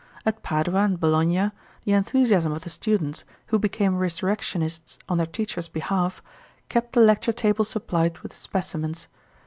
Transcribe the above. At Padua and Bologna the enthusiasm of the students, who became resurrectionists on their teacher's behalf, kept the lecture table supplied with specimens.